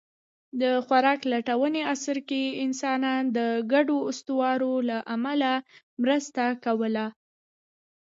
د خوراک لټوني عصر کې انسانان د ګډو اسطورو له امله مرسته کوله.